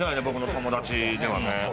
僕の友達ではね。